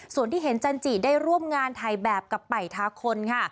ส่วนที่เห็นจันจิได้ร่วมงานถ่ายแบบกับป่ายทาคนค่ะ